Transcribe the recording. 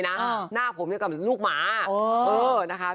กันบอกคือพูดเองเลยนะ